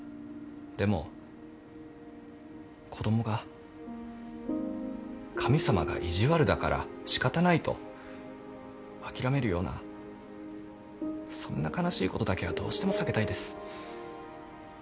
でも子供が神様が意地悪だから仕方ないと諦めるようなそんな悲しいことだけはどうしても避けたいです。